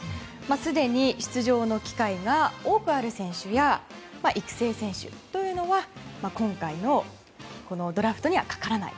すでに出場の機会が多くある選手や育成選手というのは今回のドラフトにはかからない。